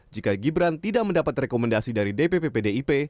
jika gibran tidak mendapat rekomendasi dari dpp pdip